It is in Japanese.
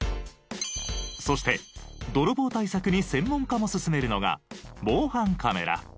そして泥棒対策に専門家も勧めるのが防犯カメラ。